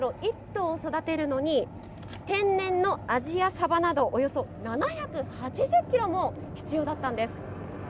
１頭を育てるのに天然のアジやサバなどおよそ７８０キロも必要だったんです。